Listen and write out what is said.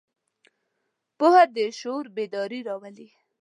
پوهه د شعور بیداري راولي.